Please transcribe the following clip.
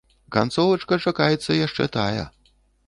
Канцовачка чакаецца яшчэ тая.